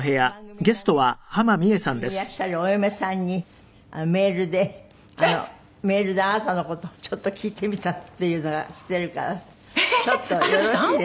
イギリスにいらっしゃるお嫁さんにメールでメールであなたの事をちょっと聞いてみたっていうのが来てるから。ええー！